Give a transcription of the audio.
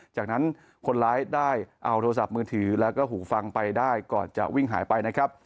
จากนั้นคนร้ายได้เอาโทรศัพท์มือถือแล้วก็หูฟังไปได้ก่อนจะวิ่งหายไปนะครับ